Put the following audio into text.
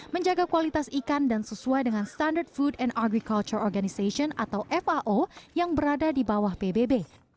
menjaga kualitas ikan dan sesuai dengan standard food and agriculture organization atau fao yang berada di bawah pbb